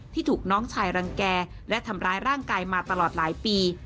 ที่ถูกน้องชายรังแก่และทำร้ายร่างกายมาตลอดหลายปี